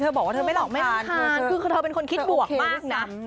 เธอบอกว่าเธอไม่รำคาญคือเธอเป็นคนคิดบวกมากนะ